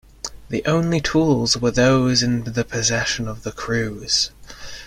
The only tools were those in the possession of the crews.